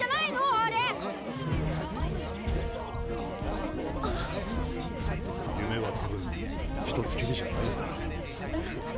あれあっ夢はたぶん１つきりじゃないんだえっ？